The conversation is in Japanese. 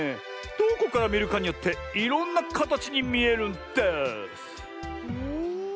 どこからみるかによっていろんなかたちにみえるんです。